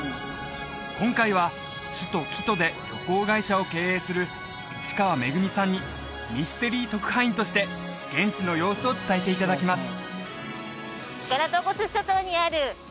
今回は首都キトで旅行会社を経営する市川芽久美さんにミステリー特派員として現地の様子を伝えていただきます